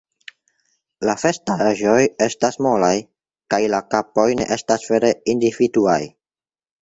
La vestaĵoj estas molaj kaj la kapoj ne estas vere individuaj.